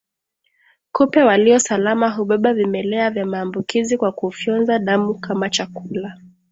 Kupe walio salama hubeba vimelea vya maambukizi kwa kufyonza damu kama chakula